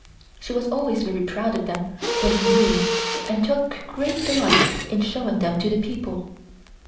She was always very proud of them when in bloom and took great delight in showing them to the people.